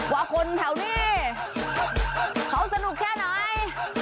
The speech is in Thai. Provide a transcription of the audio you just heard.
ว่าคนแถวนี้เขาสนุกแค่ไหน